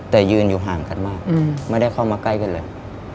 แต่ยืนอยู่ห่างกันมากไม่ได้เข้ามาใกล้กันเลย